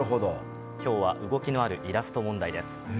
今日は動きのあるイラスト問題です。